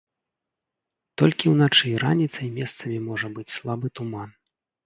Толькі ўначы і раніцай месцамі можа быць слабы туман.